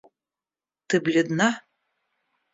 Ты бледна.